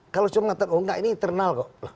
kalau cuma ngatakan oh enggak ini internal kok